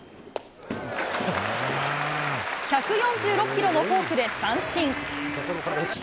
１４６キロのフォークで三振。